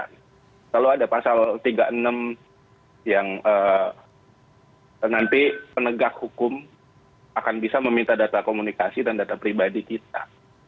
kalau ada pasal tiga puluh enam yang nanti penegak hukum akan bisa meminta data komunikasi dan data pribadi kita